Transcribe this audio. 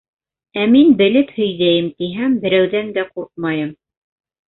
Ә мин белеп һөйҙәйем һәм берәүҙән дә ҡурҡмайым!